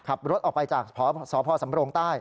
ขับรถออกไปจากสพสำรงใต้